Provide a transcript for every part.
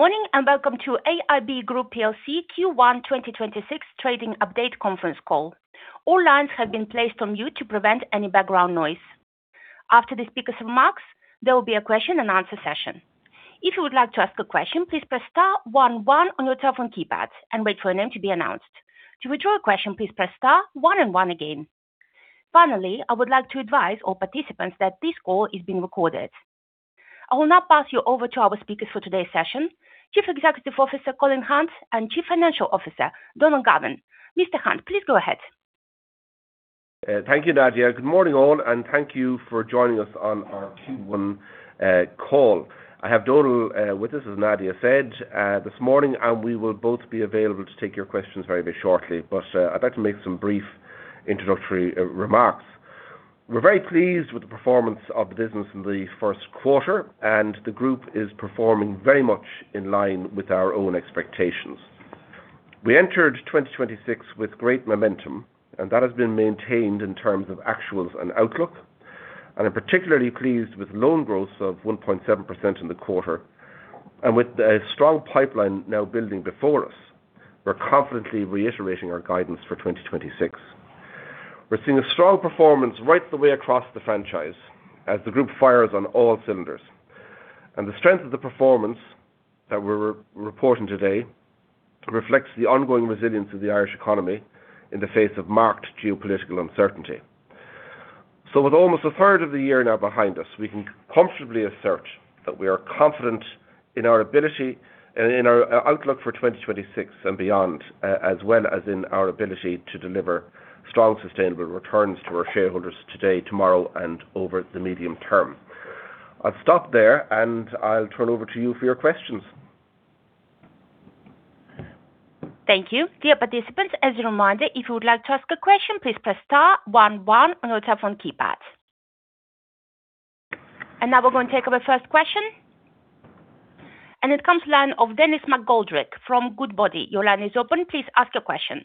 Good morning, and welcome to AIB Group PLC Q1 2026 Trading Update conference call. All lines have been placed on mute to prevent any background noise. After the speaker's remarks, there will be a question and answer session. If you would like to ask a question, please press star one one on your telephone keypad and wait for your name to be announced. To withdraw a question, please press star one and one again. Finally, I would like to advise all participants that this call is being recorded. I will now pass you over to our speakers for today's session, Chief Executive Officer, Colin Hunt, and Chief Financial Officer, Donal Galvin. Mr. Hunt, please go ahead. Thank you, Nadia. Good morning, all, and thank you for joining us on our Q1 call. I have Donal with us, as Nadia said, this morning, and we will both be available to take your questions very, very shortly. I'd like to make some brief introductory remarks. We're very pleased with the performance of the business in the first quarter, and the group is performing very much in line with our own expectations. We entered 2026 with great momentum, and that has been maintained in terms of actuals and outlook. I'm particularly pleased with loan growth of 1.7% in the quarter. With a strong pipeline now building before us, we're confidently reiterating our guidance for 2026. We're seeing a strong performance right the way across the franchise as the group fires on all cylinders. The strength of the performance that we're reporting today reflects the ongoing resilience of the Irish economy in the face of marked geopolitical uncertainty. With almost a third of the year now behind us, we can comfortably assert that we are confident in our ability and in our outlook for 2026 and beyond, as well as in our ability to deliver strong, sustainable returns to our shareholders today, tomorrow, and over the medium term. I'll stop there, and I'll turn over to you for your questions. Thank you. Dear participants, as a reminder, if you would like to ask a question, please press star one one on your telephone keypad. Now we're gonna take our first question. It comes line of Denis McGoldrick from Goodbody. Your line is open. Please ask your question.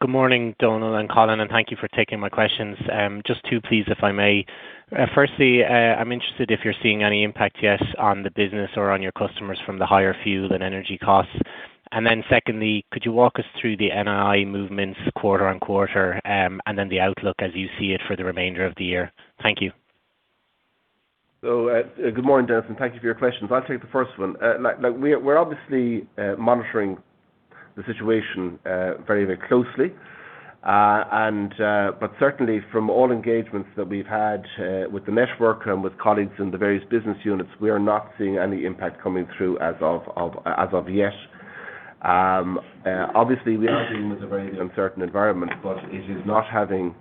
Good morning, Donal and Colin, thank you for taking my questions. Just two please, if I may. Firstly, I'm interested if you're seeing any impact yet on the business or on your customers from the higher fuel and energy costs. Secondly, could you walk us through the NII movements quarter-on-quarter, the outlook as you see it for the remainder of the year? Thank you. Good morning, Denis, and thank you for your questions. I'll take the first one. Like we're obviously monitoring the situation very closely. Certainly from all engagements that we've had with the network and with colleagues in the various business units, we are not seeing any impact coming through as of yet. Obviously we are dealing with a very uncertain environment, it is not having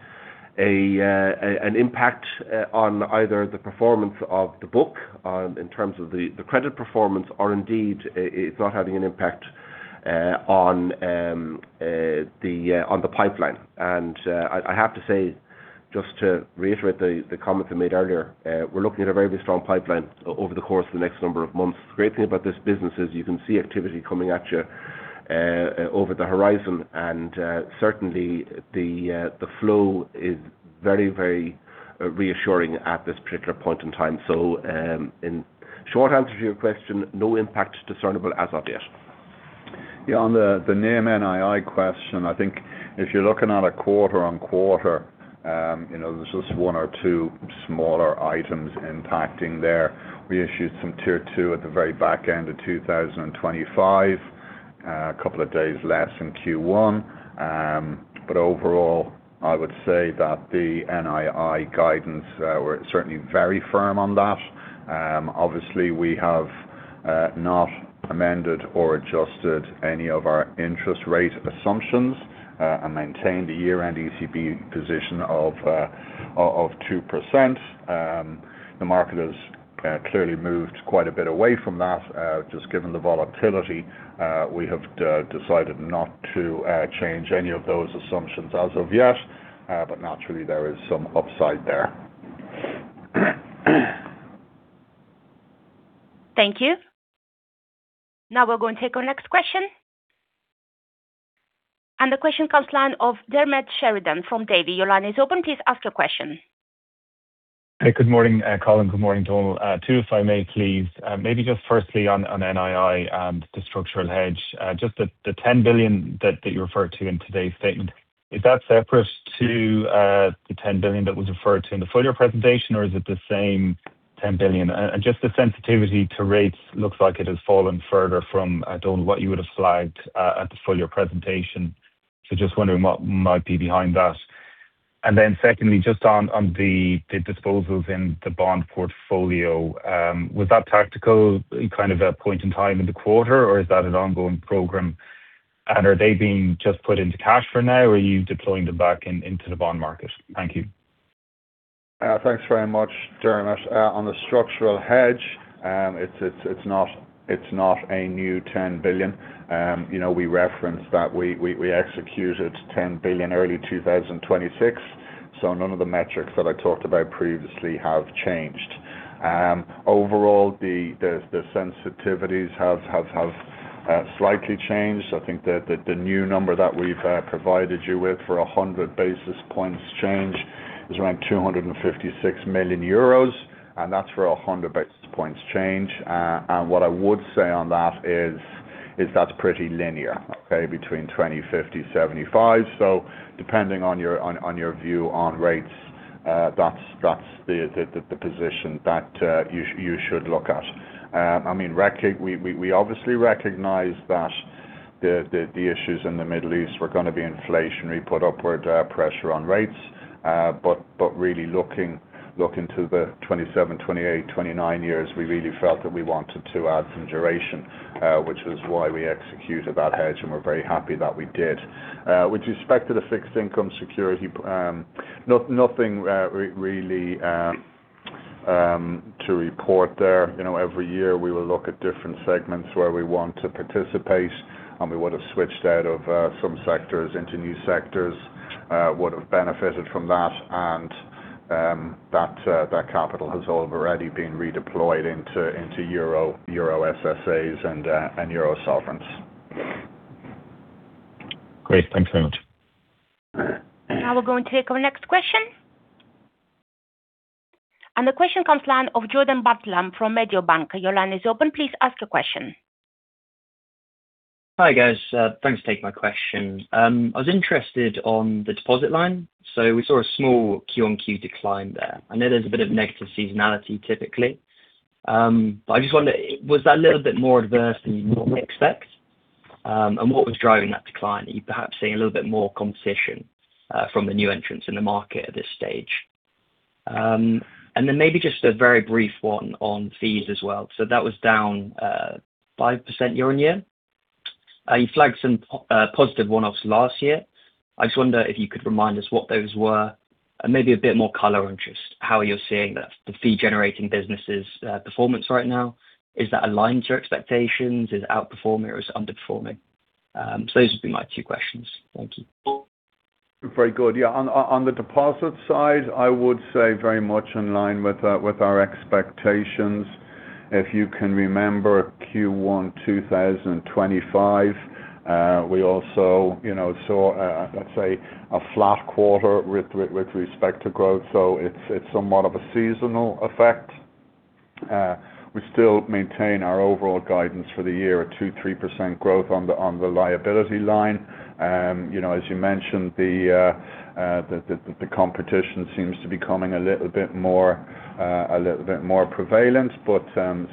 an impact on either the performance of the book in terms of the credit performance, or indeed, it's not having an impact on the pipeline. I have to say, just to reiterate the comments I made earlier, we're looking at a very strong pipeline over the course of the next number of months. Great thing about this business is you can see activity coming at you over the horizon. Certainly the flow is very, very reassuring at this particular point in time. In short answer to your question, no impact discernible as of yet. Yeah, on the NIM NII question, I think if you're looking at a quarter-on-quarter, you know, there's just one or two smaller items impacting there. We issued some Tier 2 at the very back end of 2025, a couple of days less in Q1. Overall, I would say that the NII guidance, we're certainly very firm on that. Obviously we have not amended or adjusted any of our interest rate assumptions and maintained a year-end ECB position of 2%. The market has clearly moved quite a bit away from that. Just given the volatility, we have decided not to change any of those assumptions as of yet, but naturally there is some upside there. Thank you. Now we're gonna take our next question. The question comes line of Diarmaid Sheridan from Davy. Your line is open. Please ask your question. Hey, good morning, Colin. Good morning, Donal. Two, if I may please. Maybe just firstly on NII and the structural hedge. Just the 10 billion that you referred to in today's statement, is that separate to the 10 billion that was referred to in the full year presentation or is it the same 10 billion? Just the sensitivity to rates looks like it has fallen further from, I don't know what you would have flagged at the full year presentation. Just wondering what might be behind that. Secondly, just on the disposals in the bond portfolio, was that tactical kind of a point in time in the quarter or is that an ongoing program and are they being just put into cash for now or are you deploying them back into the bond market? Thank you. Thanks very much, Diarmaid. On the structural hedge, it's not a new 10 billion. You know, we referenced that we executed 10 billion early 2026. None of the metrics that I talked about previously have changed. Overall, the sensitivities have slightly changed. I think the new number that we've provided you with for a 100 basis points change is around 256 million euros, that's for a 100 basis points change. What I would say on that is that's pretty linear. Okay, between 20, 50, 75. Depending on your view on rates, that's the position that you should look at. I mean, we obviously recognize that the issues in the Middle East were going to be inflationary, put upward pressure on rates. But really looking to the 2027, 2028, 2029 years, we really felt that we wanted to add some duration, which is why we executed that hedge, and we're very happy that we did. With respect to the fixed income security, nothing really to report there. You know, every year we will look at different segments where we want to participate, and we would have switched out of some sectors into new sectors, would have benefited from that. That capital has already been redeployed into euro SSAs and euro Sovereigns. Great. Thanks very much. Now we're going to take our next question. The question comes line of Jordan Bartlam from Mediobanca. Your line is open. Please ask your question. Hi, guys. Thanks for taking my question. I was interested on the deposit line. We saw a small Q-on-Q decline there. I know there's a bit of negative seasonality typically. I just wonder, was that a little bit more adverse than you normally expect? What was driving that decline? Are you perhaps seeing a little bit more competition from the new entrants in the market at this stage? Maybe just a very brief one on fees as well. That was down 5% year-on-year. You flagged some positive one-offs last year. I just wonder if you could remind us what those were, and maybe a bit more color on just how you're seeing the fee generating business's performance right now. Is that aligned to your expectations? Is it outperforming or is it underperforming? Those would be my two questions. Thank you. Very good. Yeah, on the deposit side, I would say very much in line with our expectations. If you can remember Q1 2025, we also, you know, saw a, let's say, a flat quarter with respect to growth. It's somewhat of a seasonal effect. We still maintain our overall guidance for the year at 2%, 3% growth on the liability line. You know, as you mentioned, the competition seems to be becoming a little bit more prevalent.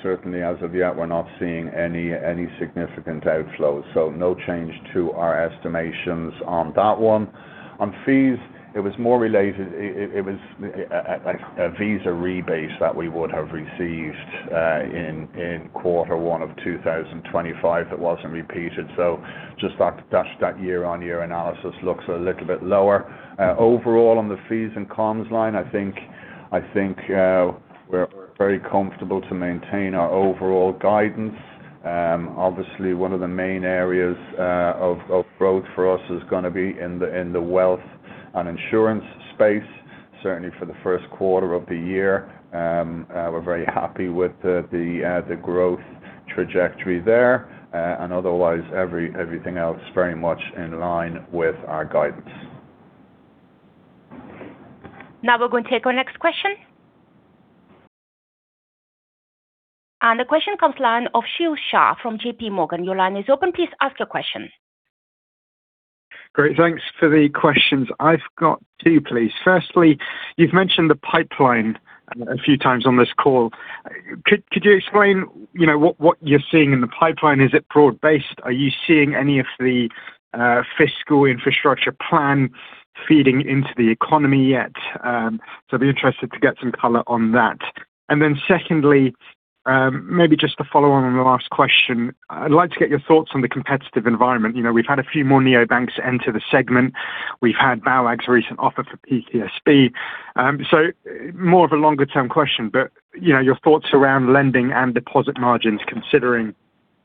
Certainly as of yet, we're not seeing any significant outflows. No change to our estimations on that one. On fees, it was like a Visa rebase that we would have received in quarter one of 2025 that wasn't repeated. Just that year-on-year analysis looks a little bit lower. Overall on the fees and comms line, I think we're very comfortable to maintain our overall guidance. Obviously one of the main areas of growth for us is going to be in the wealth and insurance space, certainly for the first quarter of the year. We're very happy with the growth trajectory there. Otherwise everything else very much in line with our guidance. Now we're going to take our next question. The question comes line of Sheel Shah from JPMorgan. Your line is open. Please ask your question. Great. Thanks for the questions. I've got two, please. Firstly, you've mentioned the pipeline a few times on this call. Could you explain, you know, what you're seeing in the pipeline? Is it broad-based? Are you seeing any of the fiscal infrastructure plan feeding into the economy yet? I'd be interested to get some color on that. Secondly, maybe just to follow on the last question, I'd like to get your thoughts on the competitive environment. You know, we've had a few more neobanks enter the segment. We've had BAWAG's recent offer for PTSB. More of a longer term question, but, you know, your thoughts around lending and deposit margins considering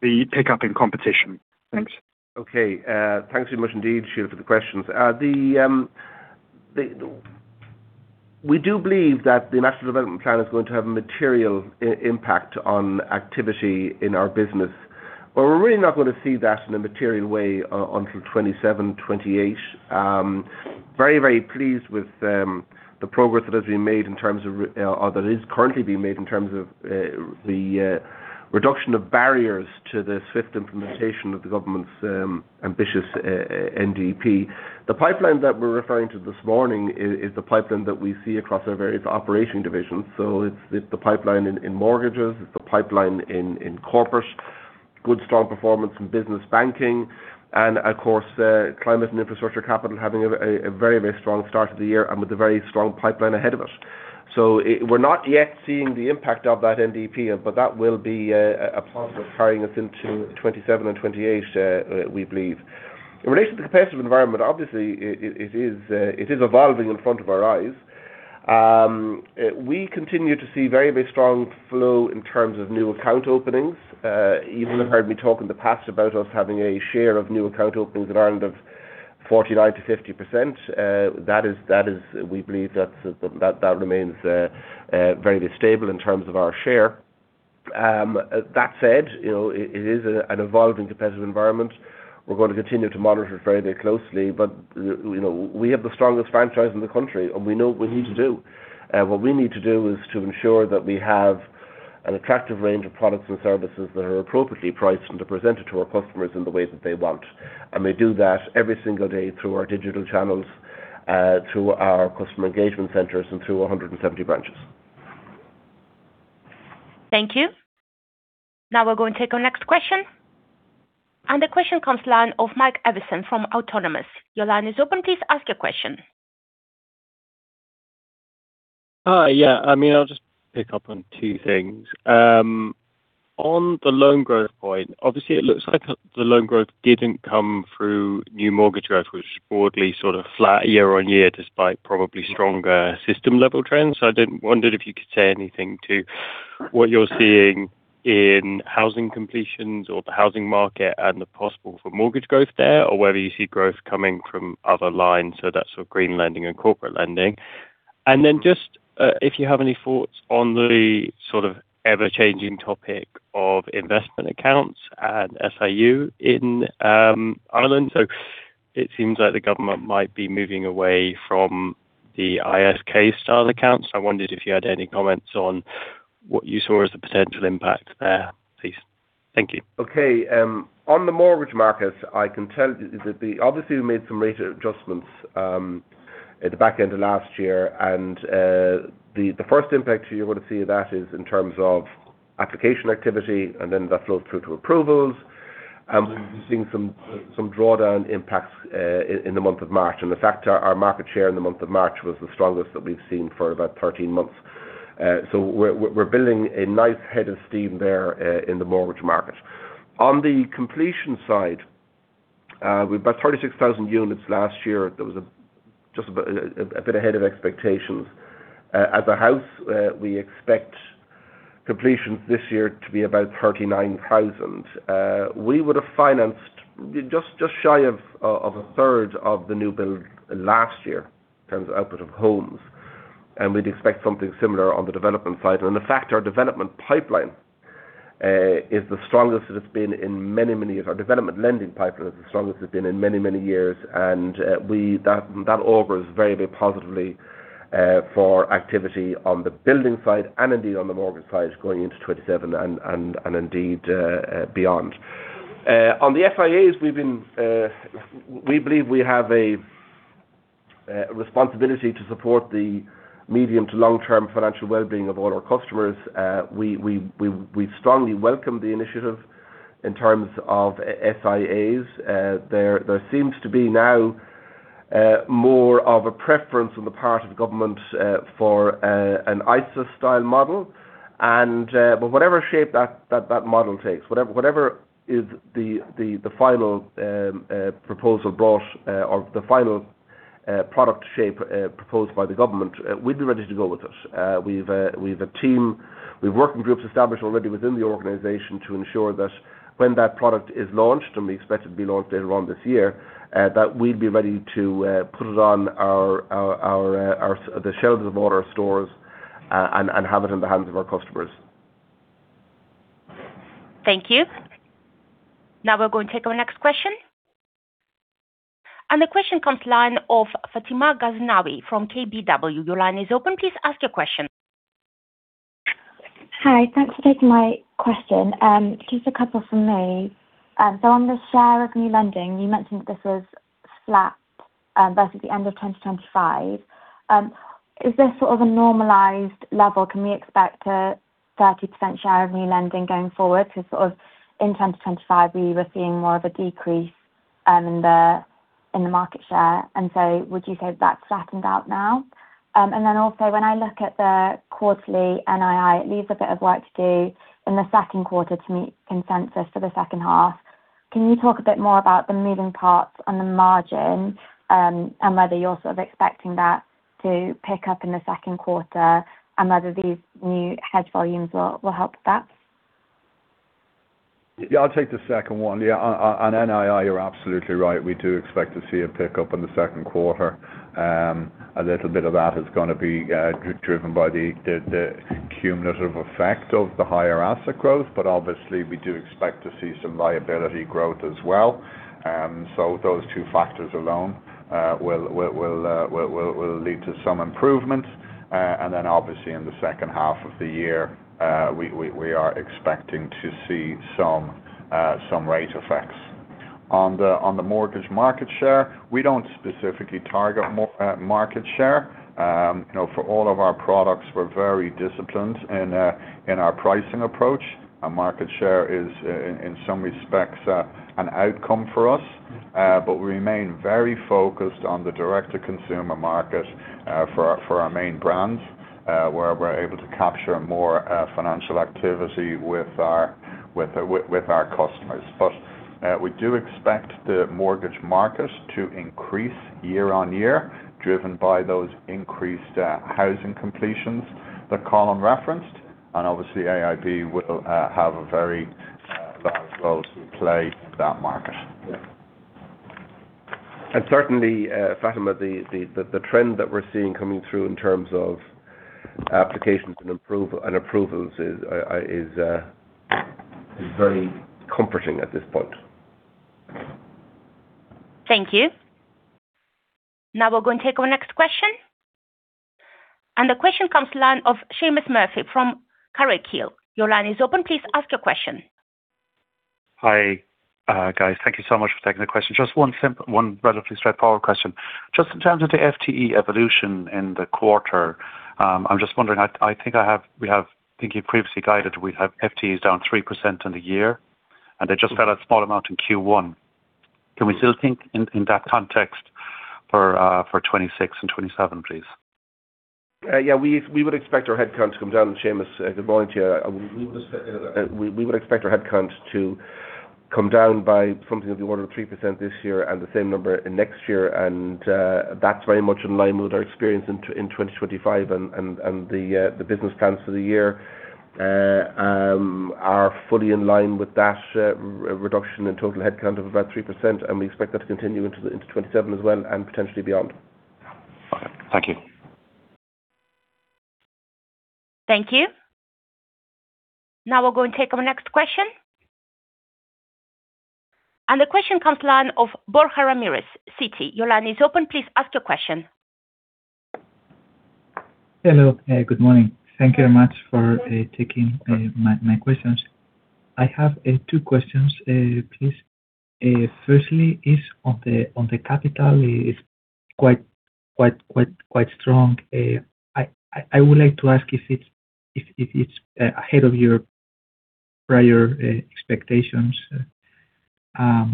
the pickup in competition. Thanks. Okay. Thanks very much indeed, Sheel, for the questions. We do believe that the National Development Plan is going to have a material impact on activity in our business. We're really not going to see that in a material way until 2027, 2028. Very, very pleased with the progress that has been made in terms of that is currently being made in terms of the reduction of barriers to the swift implementation of the government's ambitious NDP. The pipeline that we're referring to this morning is the pipeline that we see across our various operation divisions. It's the pipeline in mortgages. It's the pipeline in corporate. Good strong performance in business banking. Of course, Climate and Infrastructure Capital having a very, very strong start to the year and with a very strong pipeline ahead of us. We're not yet seeing the impact of that NDP, but that will be a positive carrying us into 2027 and 2028, we believe. In relation to the competitive environment, obviously it is evolving in front of our eyes. We continue to see very, very strong flow in terms of new account openings. You will have heard me talk in the past about us having a share of new account openings in Ireland of 49%-50%. That is, we believe that remains very stable in terms of our share. That said, you know, it is an evolving competitive environment. We're going to continue to monitor it very, very closely. You know, we have the strongest franchise in the country, and we know what we need to do. What we need to do is to ensure that we have an attractive range of products and services that are appropriately priced and to present it to our customers in the way that they want. We do that every single day through our digital channels, through our customer engagement centers and through 170 branches. Thank you. Now we're going to take our next question. The question comes line of Mike Evison from Autonomous. Your line is open. Please ask your question. Yeah. I mean, I'll just pick up on two things. On the loan growth point, obviously it looks like the loan growth didn't come through new mortgage growth, which is broadly sort of flat year-on-year despite probably stronger system level trends. I wondered if you could say anything to what you're seeing in housing completions or the housing market and the possible for mortgage growth there, or whether you see growth coming from other lines, so that's sort of green lending and corporate lending. Then just, if you have any thoughts on the sort of ever-changing topic of investment accounts and SIU in Ireland. It seems like the government might be moving away from the ISK style accounts. I wondered if you had any comments on what you saw as the potential impact there, please. Thank you. On the mortgage market, I can tell that obviously we made some rate adjustments at the back end of last year. The first impact you're going to see of that is in terms of application activity, and then that flows through to approvals. We've been seeing some drawdown impacts in the month of March. In fact, our market share in the month of March was the strongest that we've seen for about 13 months. We're building a nice head of steam there in the mortgage market. On the completion side, we've about 36,000 units last year that was just a bit ahead of expectations. As a house, we expect completions this year to be about 39,000. We would have financed just shy of a third of the new build last year in terms of output of homes, and we'd expect something similar on the development side. In fact, our development pipeline is the strongest it has been in many, many years. Our development lending pipeline is the strongest it's been in many, many years. That augurs very, very positively for activity on the building side and indeed on the mortgage side going into 2027 and indeed beyond. On the FIAs, we've been, we believe we have a responsibility to support the medium to long term financial well-being of all our customers. We strongly welcome the initiative in terms of SIAs. There seems to be now more of a preference on the part of government for an ISA style model. But whatever shape that model takes, whatever is the final proposal brought or the final product shape proposed by the government, we'd be ready to go with it. We've a team. We have working groups established already within the organization to ensure that when that product is launched, and we expect it to be launched later on this year, that we'd be ready to put it on the shelves of all our stores and have it in the hands of our customers. Thank you. Now we're going to take our next question. The question comes line of Fatima Ghaznavi from KBW. Your line is open. Please ask your question. Hi. Thanks for taking my question. Just a couple from me. On the share of new lending, you mentioned that this was flat, versus the end of 2025. Is this sort of a normalized level? Can we expect a 30% share of new lending going forward? Sort of in 2025, we were seeing more of a decrease in the market share. Would you say that's flattened out now? Then also when I look at the quarterly NII, it leaves a bit of work to do in the second quarter to meet consensus for the second half. Can you talk a bit more about the moving parts on the margin, and whether you're sort of expecting that to pick up in the second quarter and whether these new hedge volumes will help with that? Yeah, I'll take the second one. Yeah, on NII, you're absolutely right. We do expect to see a pickup in the second quarter. A little bit of that is going to be driven by the cumulative effect of the higher asset growth. Obviously we do expect to see some liability growth as well. Those two factors alone will lead to some improvement. Obviously in the second half of the year, we are expecting to see some rate effects. On the mortgage market share, we don't specifically target market share. You know, for all of our products, we're very disciplined in our pricing approach. Our market share is in some respects an outcome for us. We remain very focused on the direct to consumer market for our, for our main brands, where we are able to capture more financial activity with our customers. We do expect the mortgage market to increase year-on-year, driven by those increased housing completions that Colin referenced. Obviously, AIB will have a very large role to play in that market. Certainly, Fatima, the trend that we're seeing coming through in terms of applications and approvals is very comforting at this point. Thank you. Now we're going to take our next question. The question comes line of Seamus Murphy from Carraighill. Your line is open. Please ask your question. Hi, guys. Thank you so much for taking the question. Just one relatively straightforward question. Just in terms of the FTE evolution in the quarter, I'm just wondering, I think you previously guided we have FTEs down 3% in the year, and they just fell a small amount in Q1. Can we still think in that context for 2026 and 2027, please? Yeah. We would expect our headcount to come down, Seamus. Good morning to you. We would expect our headcount to come down by something of the order of 3% this year and the same number next year. That's very much in line with our experience in 2025 and the business plans for the year are fully in line with that reduction in total headcount of about 3%, and we expect that to continue into 2027 as well, and potentially beyond. Thank you. Thank you. Now we're going to take our next question. The question comes line of Borja Ramirez, Citi. Your line is open. Please ask your question. Hello. Good morning. Thank you very much for taking my questions. I have two questions, please. Firstly is on the capital is quite strong. I would like to ask if it's ahead of your prior expectations. My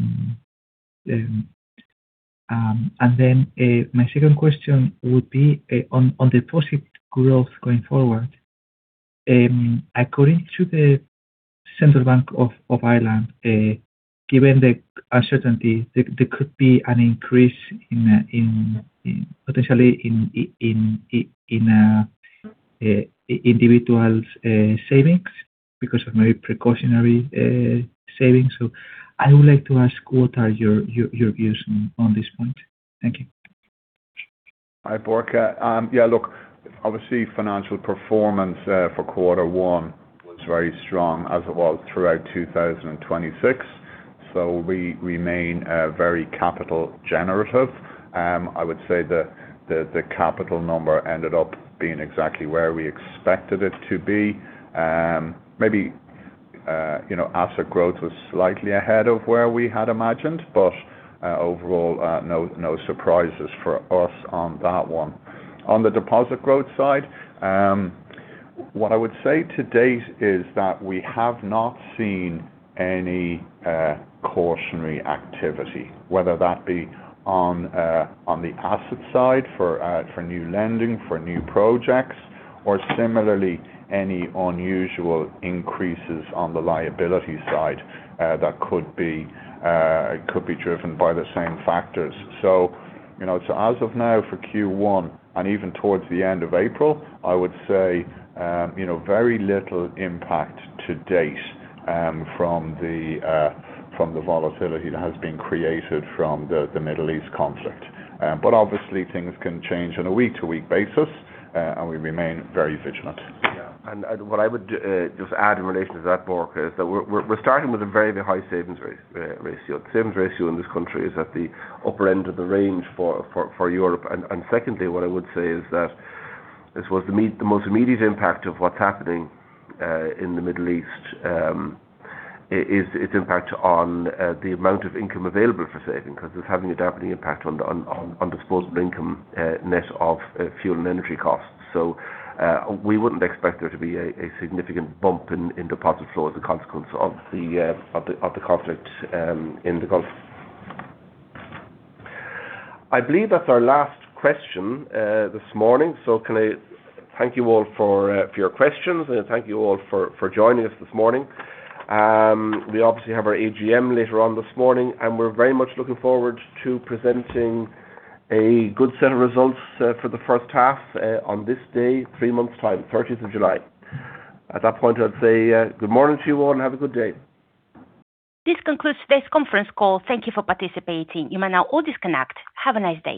second question would be on the deposit growth going forward. According to the Central Bank of Ireland, given the uncertainty, there could be an increase in potentially in individuals' savings because of very precautionary savings. I would like to ask what are your views on this point. Thank you. Hi, Borja. Yeah, look, obviously financial performance for quarter one was very strong as it was throughout 2026. We remain very capital generative. I would say that the capital number ended up being exactly where we expected it to be. Maybe, you know, asset growth was slightly ahead of where we had imagined, but overall, no surprises for us on that one. On the deposit growth side, what I would say to date is that we have not seen any cautionary activity, whether that be on on the asset side for for new lending, for new projects, or similarly, any unusual increases on the liability side that could be driven by the same factors. You know, so as of now for Q1 and even towards the end of April, I would say, you know, very little impact to date, from the, from the volatility that has been created from the Middle East conflict. Obviously things can change on a week-to-week basis, and we remain very vigilant. Yeah. What I would just add in relation to that, Borja, is that we're starting with a very, very high savings ratio. The savings ratio in this country is at the upper end of the range for Europe. Secondly, what I would say is that this was the most immediate impact of what's happening in the Middle East, is its impact on the amount of income available for saving, 'cause it's having a dampening impact on disposable income, net of fuel and energy costs. We wouldn't expect there to be a significant bump in deposit flow as a consequence of the conflict in the Gulf. I believe that's our last question this morning. Can I thank you all for your questions, and thank you all for joining us this morning. We obviously have our AGM later on this morning, and we're very much looking forward to presenting a good set of results for the first half on this day, three months' time, 13th of July. At that point, I'd say good morning to you all, and have a good day. This concludes today's conference call. Thank you for participating. You may now all disconnect. Have a nice day.